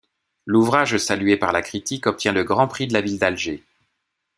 L'ouvrage, salué par la critique obtient le Grand Prix de la ville d'Alger.